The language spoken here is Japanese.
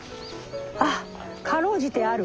あっかろうじてある。